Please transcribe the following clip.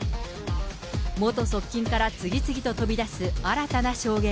元側近から次々と飛び出す新たな証言。